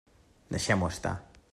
Deixem-ho estar.